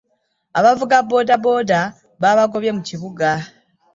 Abavuga bodaboda babagobye mu kibuga.